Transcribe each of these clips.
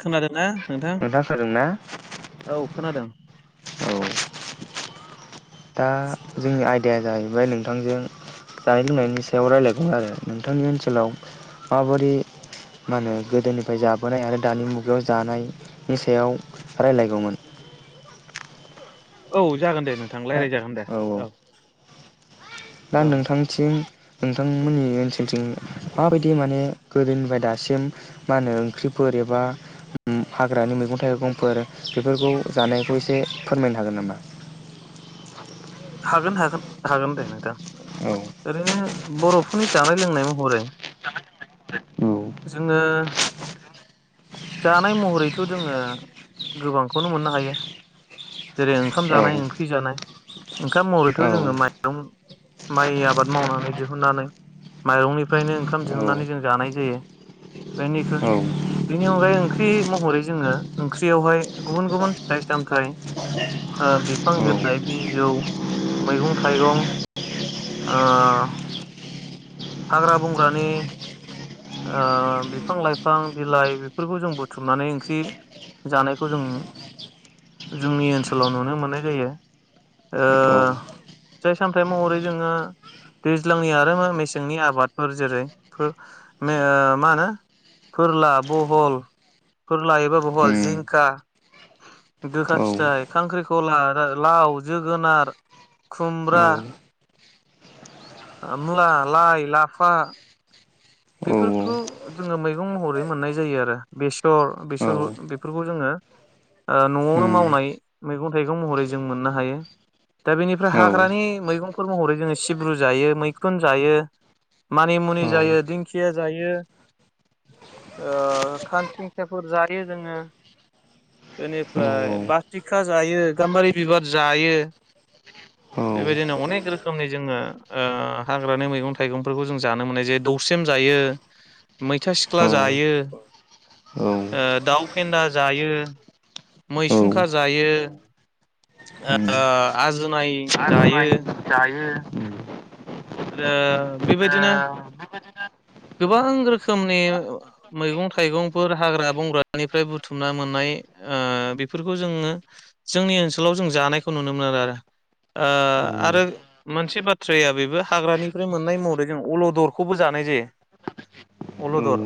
खोनादों ना नोंथां? औ दा जोंनि आयदाया जाहैबाय नों थांजों जानाय लोंनायनि सायाव रायलायगौमोन आरो नोंथांनि ओनसोलाव माबोरै मा होनो गोदोनिफाय जाबोनाय आरो दानि मुगायाव जानायनि सायाव रायलायगौमोन। औ जागोन दे। नोंथां दा लायरायजागोन दे। औ औ दा औ नोंथांनिथिं। नोंथांमोननि ओनसो थिं माबायदि माने गोदोनिफ्राय दासिम मा होनो ओंख्रिफोर ए बा ओम हाग्रानि मैगं-थाइगंफोर बेफोरखौ जानायखौ एसे फोरमायनो हागोन नामा? हागोन हागोन हागोन दे नोंथां। औ ओरैनो बर'फोरनि जानाय लोंनाय महरै जोङो जानाय महरैथ' जोङो गोबांखौनो मोननो हायो जेरै ओंखाम औ जानाय ओंख्रि जानाय ओंखाम महरैथ' जोङो माइरं माइ आबाद मावनानै दिहुननानै माइरंनिफ्रायनो ओंखाम औ दिहुननानै जों जानाय जायो बेनिखो बेनि अनगायै ओंख्रि महरै जोङो ओंख्रियावहाय गुबुन गुबुन फिथाइ-सामथाइ ओ बिफां बिलाइ बिजौ मैगं-थाइगं ओ हाग्रा बंग्रानि ओ बिफां लाइफां बिलाइ बेफोरखौ जों बुथुमनानै ओंख्रि जानायखौ जों जोंनि ओनसोलाव नुनो मोननाय जायो । औ ओ फिथाय सामथाइ महरै जोङो दैज्लांनि आरो मेसेंनि आबादफोर जेरै फो नो मा होनो फोरला बहल फोरला एबा बहल माइ जिंखा, गोखा फिथाइ, खांख्रिखला, लाव, जोगोनार, खुमब्रा, मुला, लाइ, लाफा बेफोरखौ जोङो मैगं महरै मोननाय जायो आरो बेसर बेसर बेफोरखौ जोङो ओ नआवनो मावनाय मैगं थाइगं महरै जों मोननो हायो दा बेनिफ्राय हाग्रानि मैगंफोर महरै जोङो सिब्रु जायो मैखुन जायो मानिमुनि जायो दिं खिया जायो ओ खानसिंसाफोर जायो जोङो बेनिफ्राय बाथिखा जायो गाम्बारि बिबार जायो बेबायदिनो अनेक रोखोमनि जोङो ओ हाग्रानि मैगं थाइगंफोरखौ जों जानो मोननाय जे दौसे सेम जायो मैथा सिख्ला जायो ओ दाउ फेन्दा जायो मैसुंखा जायो ओ आजोनाय जायो। जायो उम ओ बेबायदिनो गोबां रोखोमनि मैगं थाइगंफोर हाग्रा बंग्रानिफ्राय बुथुमना मोननाय ओ बेफोरखौ जोङो जोंनि ओनसोलाव जों जानायखौ नुनो मोनो आरो ओ आरो मोनसे बाथ्राया बेबो हाग्रानिफ्राय मोननाय महरै जों अलदरखौबो जानाय जायो। अलदर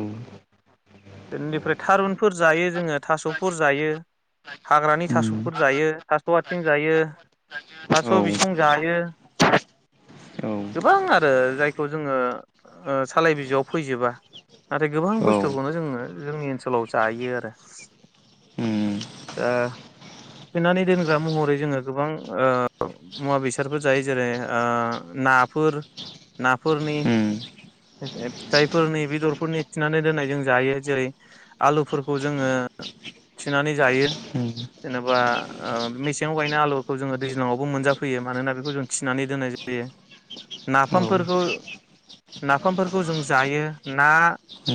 बेनिफ्राय थारुनफोर जायो जोङो थासफोर जायो हाग्रानि थासफोर जायो थास आथिं जायो थास बिसं जायो गोबां आरो जायखौ जोङो ओ सालाय बि जोआव फैजोबा नाथाय गोबां बुस्थुखौनो जोङो जोंनि ओनसोलाव जायो आरो दा थिनानै दोनग्रा महरै जोङो गोबां ओ मुवा बेसादफोर जायो जेरै ओ नाफोर नाफोरनि [unintelligible] फिथाइफोरनि बेदरफोरनि थिनानै दोननाय जों जायो जेरै आलुफोरखौ जोङो थिनानै जायो जेनेबा ओ मेसेङाव गायनाय आलुफोरखौ जोङो दैज्लांआवबो मोनजाफैयो मानोना बेखौ जों थिनानै दोननाय जायो नाफामफोरखौ नाफामफोर खौ जों जायो ना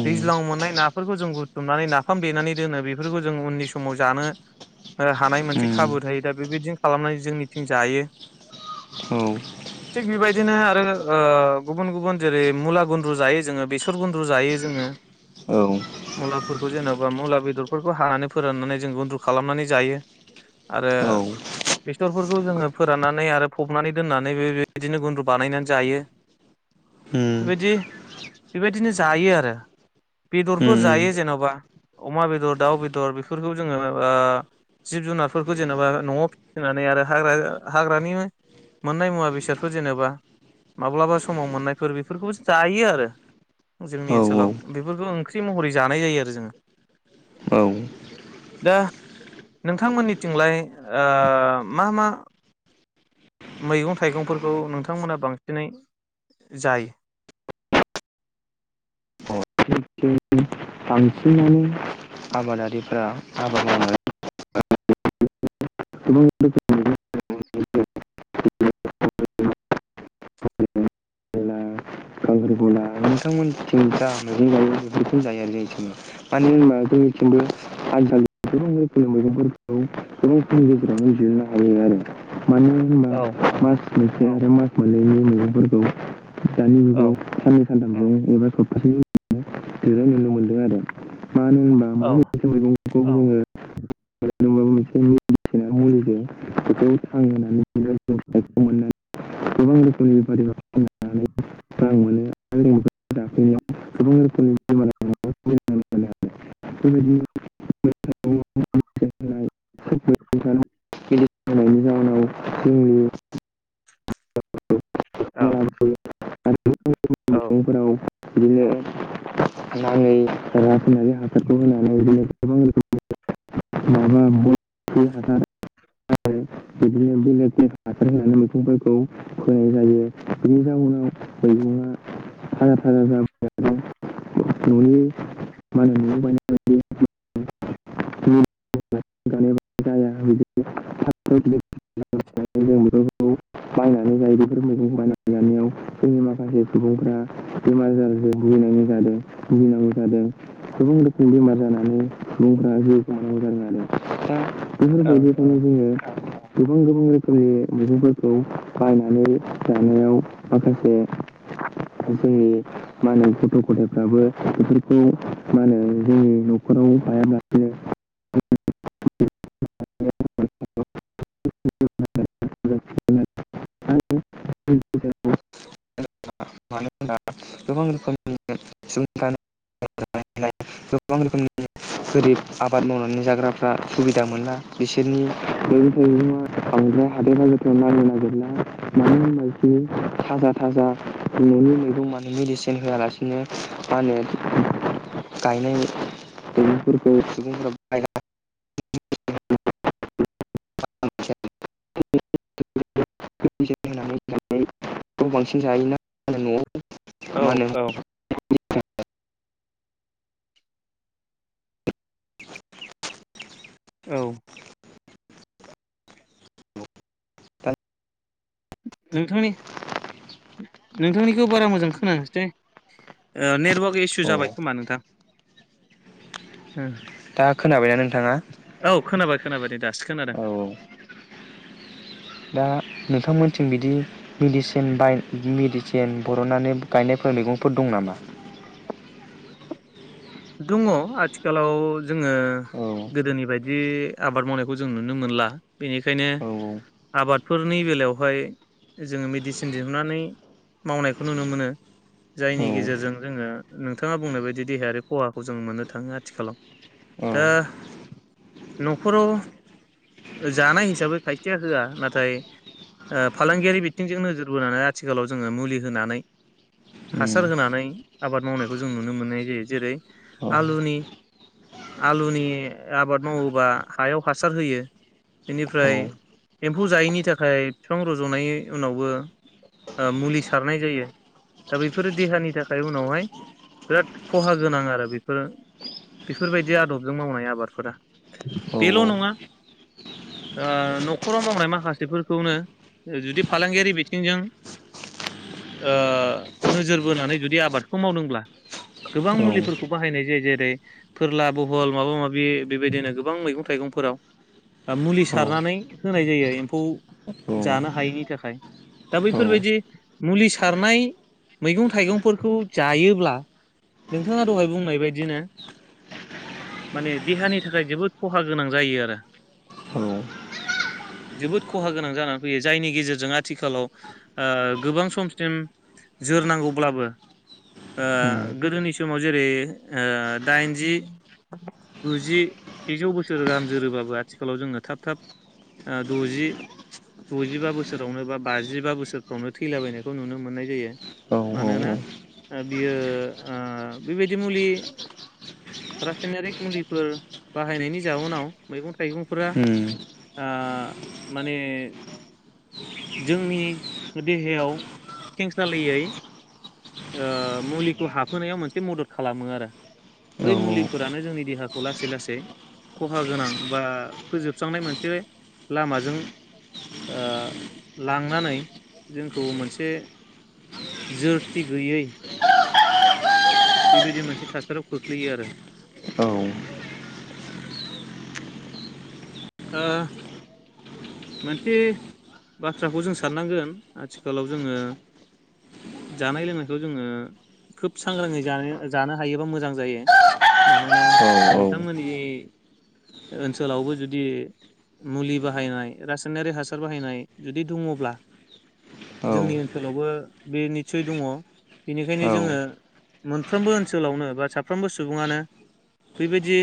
दैज्लांआव मोननाय नाफोरखौ जों बुथुमनानै नाफाम देनानै दोनो बेफोरखौ जों उननि समाव जानो हानाय मोनसे खाबु थायो दा बेबायदिनो खालामनानै जोंनिथिं जायो थिग बेबायदिनो आरो ओ गुबुन गुबुन जेरै मुला गुन द्रु जायो जोङो बेसर गुन्द्रु जायो जोङो मुलाफोरखौ जेनबा मुला बेदरफोरखौ हानानै फोराननानै जों गुन्द्रु खालामनानै जायो आरो बेसरफोरखौ जोङो फोराननानै आरो फबनानै दोननानै बे बेदिनो गुन्द्रु बानायनानै जायो बेबायदि बेबायदिनो जायो आरो बेदरफोर जायो जेनबा अमा बेदर दाउ बेदर बेफोरखौ जोङो ओ जिब जुनारफोरखौ जेनेबा नआव फिसिनानै आरो हाग्रा हाग्रानि मोननाय मुवा बेसादफोर जेनेबा माब्लाबा समाव मोननायफोर बेफोरखौ जायो। यो आरो जोंनि ओनसोलाव बेफोरखौ ओंख्रि महरै जानाय जायो आरो जोङो दा नोंथांमोननिथिंलाय ओ मा मा मैगं थाइगंफोरखौ नोंथांमोना बांसिनै जायो? बांसिनानो आबादारिफ्रा हाबा मावना फोरला खांख्रिखला नोंथांमोनथिं जा मैगं गायो बेफोरखौ जाया जोंनिथिं मानो होनोबा जोंनिथिंबो [unintelligible] मैगंफोरखौ गोबांखिनि गेजेरावनो दिहुननो हायो आरो मानो होनबा औ औ मास [unintelligible] [unintelligible] मास मोननैनि मैगंफोरखौ दानि औ जुगाव साननै सानथामजों एबा सफथासे [unintelligible] नुनो [unintelligible] मोनदों आरो मानो होनबा औ माबायदि मैगं [unintelligible] [unintelligible] मुलिजों बेखौ थांहोनानै जों फिथाइखौ मोननानै [inaudible] गोबां रोखोमनि [unintelligible] [unintelligible] रां मोनो [unintelligible] गोबां [unintelligible] [unintelligible] [unintelligible] [unintelligible] [unintelligible] [unintelligible] जाहोनाव जोंनि औ बेमाराबो आरो गोबां रोखोमनि औ [unintelligible] नै रा [unintelligible] नानै हासारखौ होनानै इदिनो गोबां रोखो [unintelligible] माबा ब बे हासार [inaudible] बिदिनो बेलेग [unintelligible] हासार होनानै मैगंफोरखौ फोनाय जायो बिनि जाउनाव मैगंआ थाजा थाजा [unintelligible] ननि माने नआव [unintelligible] [inaudible] बेफोरखौ बायनानै जायो बेफोर मैगंखौ बायनानै जानायाव जोंनि माखासे सुबुंफ्रा बेमार आजारजों भुगिनानै जादों भुगिनांगौ जादों गोबां रोखोम बेमार जानानै सुबुंफ्रा जि [inaudible] बेफोरबायदिखायनो औ जोङो गोबां गोबां रोखोमनि मैगंफोरखौ बायनानै जानायाव माखासे जोंनि मा होनो गथ गथाइफ्राबो बेफोरखौ मा होनो जोंनि नखराव गायालासिनो [inaudible] मानो होनब्ला गोबां रोखोमनि सुबुंफ्रा [inaudible] गोबां रोखोमनि [unintelligible] आबाद मावनानै जाग्राफ्रा सुबिदा मोनला बिसोरनि मैगं थाइगंआ बांद्राय हादोर आरिफ्राव नांनो नागिरला मानो होनबा बिसोर थाजा थाजा ननि मैगं माने मेडिसिन होआलासिनो मा होनो गायनाय मै मैगंफोरखौ सुबुंफ्रा [inaudible] खौ बांसिन जायोना [inaudible] नआव मा औ होनो औ औ नोंथांनि नोंथांनिखौ बारा मोजां खोनायासै दै ओ नेदवर्क इसु जाबाय खोमा नोंथां दा खोनाबायना नोंथाङा? खोनाबायदे दासो खोनादों। औ औ दा नोंथांमोनथिं बिदि मेडिसिन बाय मेडिसिन बरननानै गायनायफोर मैगंफोर दं नामा? दङ आथिखालाव जोङो गोदोनि बायदि आबाद मावनायखौ जों नुनो मोनला बेनिखायनो आबादफोरनि बेलायावहाय जोङो मेडिसिन दिहुननानै मावनायखौ नुनो मोनो जायनि गेजेरजों जोङो नोंथाङा बुंनाय बायदि देहायारि खहाखौ जों मोननो थाङो आथिखालाव दा नखराव जानाय हिसाबै खायसेया होआ नाथाय ओ फालांगियारि बिथिंजों नोजोर बोनानै आथिखालाव जोङो मुलि होनानै हासार होनानै आबाद मावनायखौ जों नुनो मोननाय जायो जेरै आलुनि आलुनि आबाद मावोबा हायाव हासार होयो बिनिफ्राय एम्फौ जायैनि थाखाय बिफां रजनाय उनावबो ओ मुलि सारनाय जायो दा बेफोरो देहानि थाखाय उनावहाय बिराद खहा गोनां आ रो बेफोर बेफोरबायदि आदबजों मावनाय आबादफोरा बेल नङा ओ नखराव मावनाय माखासेफोरखौनो जुदि फालांगियारि बिथिंजों ओ नोजोर बोनानै जुदि आबादखौ मावदोंब्ला गोबां मुलि फोरखौ बाहायनाय जायो जेरै फोरला बहल माबा माबि बेबायदिनो गोबां मैगं थाइगंफोराव मुलि सारनानै होनाय जायो एम्फौ जानो हायैनि थाखाय दा बैफोरबायदि मुलि सारनाय मैगं थाइगंफोरखौ जायोब्ला नों थाङा दहाय बुंनाय बायदिनो माने देहानि थाखाय जोबोद खहा गोनां जायो आरो जोबोद खहा गोनां जानानै फैयो जायनि गेजेरजों आथिखालाव ओ गोबां समसिम जोरनांगौब्लाबो ओ गोदोनि समाव जेरै ओ दाइनजि, गुजि, सेजौ बोसोर गाहाम जोरोबाबो आथिखालाव जोङो थाब थाब आ दजि, दजिबा बोसोरावनो बा बाजिबा बोसोरफ्रावनो थैलाबायनायखौ नुनो मोननाय जायो मानोना बियो ओ बेबायदि मुलि रासायनारिक मुलिफोर बाहायनायनि जाउनाव मैगं थाइगंफोरा आ माने जोंनि देहायाव खेंसालियै ओ मुलिखौ हाबहोनायाव मोन से मदद खालामो आरो बै मुलिफोरानो जोंनि देहाखौ लासै लासै खहा गोनां बा फोजोबस्रांनाय मोनसे लामाजों ओ लांनानै जोंखौ मोनसे जोरथि गैयै बेबायदि मोनसे थासारियाव खोख्लैयो आरो। ओ मोनसे बाथ्राखौ जों साननांगोन आथिखालाव जोङो जानाय लोंनायखौ जोङो खोब सांग्राङै जानो जानो हायोबा मोजां जायो मानोना नोंथांमोननि ओनसोलावबो जुदि मुलि बाहायनाय रासायनारि हासार बाहायनाय जुदि दङब्ला जोंनि ओनसोलावबो बे निस्सय दङ। बेनिखायनो जोङो मोनफ्रोमबो ओनसोलावनो बा साफ्रोमबो सुबुङानो बेबायदि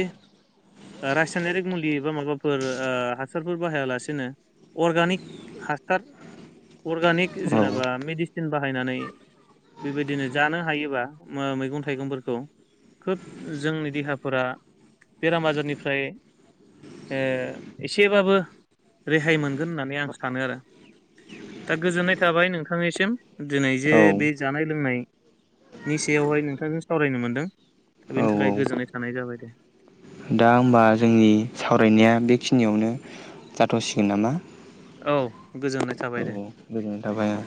रासायनारिक मुलि एबा माबाफोर हासारफोर बाहायालासे नो अर्गानिक हासार, अर्गानिक जेनेबा मेडिसिन बाहायनानै बेबायदिनो जानो हायोबा ओ मैगं थाइगंफोरखौ खोब जोंनि देहाफोरा बेराम आजारनिफ्राय ओ एसेबाबो रेहाय मोनगोन होननानै आं सानो आरो दा गोजोननाय थाबाय नोंथांनिसिम दिनै जे बे जानाय लोंनायनि सायावहाय नोंथांजों सावरायनो मोनदों। दा बेनि थाखाय गोजोननाय थानाय जाबाय। [inaudible] दा होमबा जोंनि सावरायनाया बेखिनियावनो जाथसिगोन नामा? औ गोजोननाय औ थाबाय दे। गोजोननाय थाबाय औ।